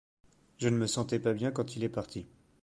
Je ne me sentais pas bien quand il est parti.